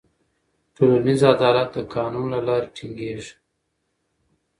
ټولنیز عدالت د قانون له لارې ټینګېږي.